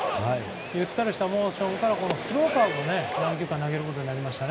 ゆったりとしたモーションからスローカーブを何球か投げることになりましたね。